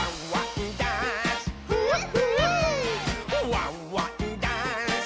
「ワンワンダンス！」